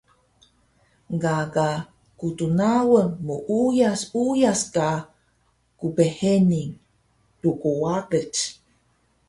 Gaga ktnaun muuyas uyas ka qbheni tqwaqic